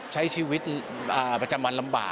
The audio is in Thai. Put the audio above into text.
ใช้ชีวิตปัจจัยมันลำบาก